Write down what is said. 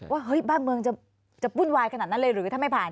เฮ้ยบ้านเมืองจะวุ่นวายขนาดนั้นเลยหรือถ้าไม่ผ่าน